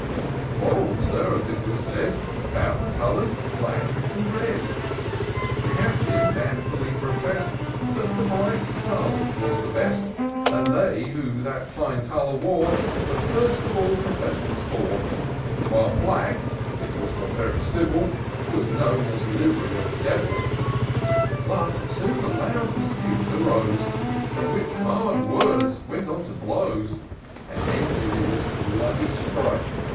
They quarrell'd, Sir, as it was said, About the colours black and red : The Captain manfully profess'd That the bright scarlet was the best ; And they, who that fine colour wore, The first of all professions bore, "While black (it was not very civil) Was the known liv'ry of the devil. Thus soon a loud dispute arose. Which from hard words went on to blows. And ended in this bloody strife.